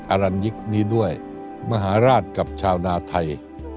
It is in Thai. อรัญยิกนี้ด้วยมหาราชกับชาวนาไทย